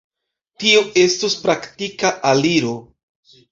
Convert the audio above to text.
Tio estus praktika aliro.